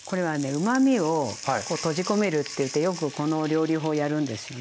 うまみを閉じ込めるっていってよくこの料理法やるんですよね。